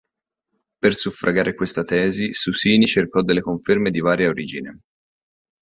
Per suffragare questa tesi, Susini cercò delle conferme di varia origine.